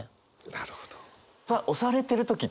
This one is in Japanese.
なるほど。